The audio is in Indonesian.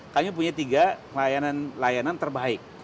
kami punya tiga layanan terbaik